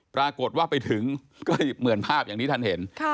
ปรากฏว่าไปถึงก็เหมือนภาพอย่างที่ท่านเห็น